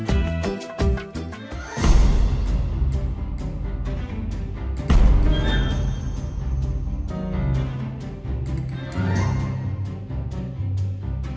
แต่พอแต่พอจะตายพอจะกินก่อนหมดตายก็ได้